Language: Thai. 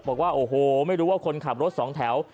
บอกว่าโอ้โหไม่รู้ว่าคนขับรถสองแถว